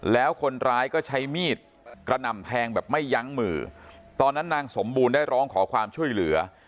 แล้วคนร้ายก็ใช้มีดกระหน่ำแทงแบบไม่ยั้งมือตอนนั้นนางสมบูรณ์ได้ร้องขอความช่วยเหลือ